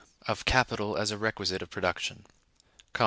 Of Capital as a Requisite of Production.